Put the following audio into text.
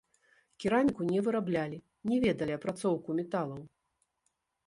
Кераміку не выраблялі, не ведалі апрацоўку металаў.